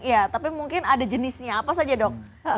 ya tapi mungkin ada jenisnya apa saja dok